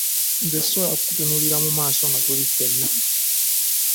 Nze sisobola kukutunuulira mu maaso nga tuli ffenna.